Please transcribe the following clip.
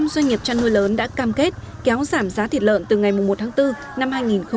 một mươi doanh nghiệp chăn nuôi lớn đã cam kết kéo giảm giá thịt lợn từ ngày một tháng bốn năm hai nghìn hai mươi